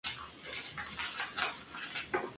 Las laderas se hayan cubiertas de bosque mixto.